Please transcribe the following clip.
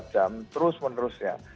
dua puluh empat jam terus menerus ya